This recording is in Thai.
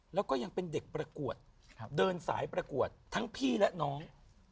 แล้วก็ยังเป็นเด็กประกวดเดินสายประกวดทั้งพี่และน้อง